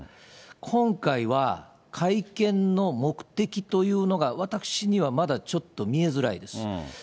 今回は、会見の目的というのが私にはまだちょっと見えづらいです。